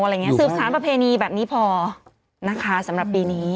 อะไรงี้สู่สารประเพซีนีแบบนี้พอนะคะสำหรับปีนี้